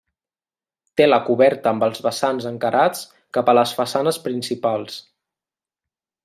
Té la coberta amb els vessants encarats cap a les façanes principals.